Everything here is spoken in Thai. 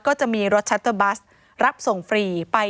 ก็จะมีรถชัตเตอร์บัสรับส่งฟรีไป